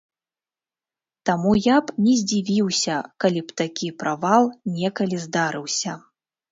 Таму я б не здзівіўся, калі б такі правал некалі здарыўся.